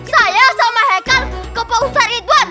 saya sama hekal ke pausar idwan